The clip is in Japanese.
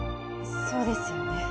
そうですよね。